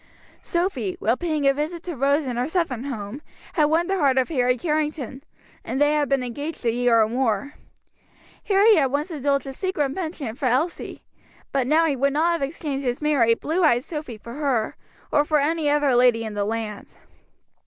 Sophy, while paying a visit to Rose in her Southern home, had won the heart of Harry Carrington, and they had been engaged a year or more. Harry had once indulged in a secret penchant for Elsie; but now he would not have exchanged his merry, blue eyed Sophy for her, or for any other lady in the land.